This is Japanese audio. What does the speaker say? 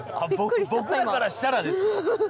僕らからしたら。